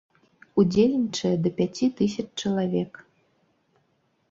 Удзельнічае да пяці тысяч чалавек.